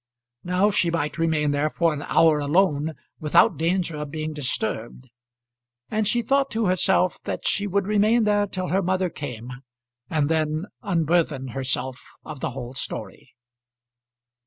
Now she might remain there for an hour alone without danger of being disturbed; and she thought to herself that she would remain there till her mother came, and then unburthen herself of the whole story.